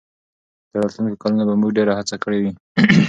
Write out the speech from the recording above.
تر راتلونکو کلونو به موږ ډېره هڅه کړې وي.